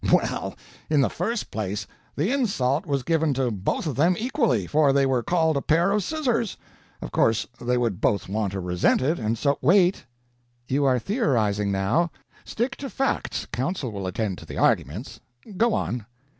"Well, in the first place, the insult was given to both of them equally, for they were called a pair of scissors. Of course they would both want to resent it, and so " "Wait! You are theorizing now. Stick to facts counsel will attend to the arguments. Go on."